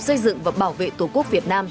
xây dựng và bảo vệ tổ quốc việt nam